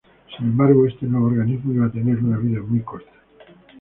Sin embargo, este nuevo organismo iba a tener una vida muy corta.